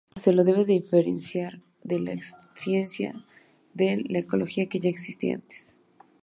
Se lo debe diferenciar de la ciencia de la ecología que ya existía antes.